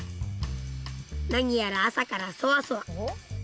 何やら朝からそわそわ。